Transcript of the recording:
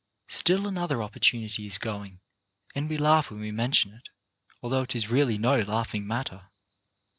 Still another opportunity is going, and we laugh when we mention it, although it is really no laughing matter.